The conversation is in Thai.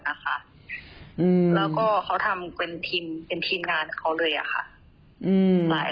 แล้วก็เขาทำเป็นทีมงานค่ะ